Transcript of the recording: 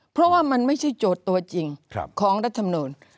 เพราะว่ามันไม่ใช่โจทย์ตัวจริงของรัฐมนูล